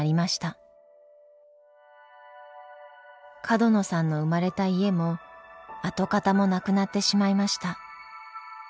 角野さんの生まれた家も跡形もなくなってしまいました。